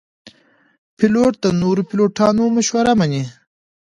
پیلوټ د نورو پیلوټانو مشوره مني.